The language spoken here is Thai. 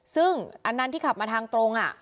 ซึ่งอันนั้นที่ขับมาทางตรง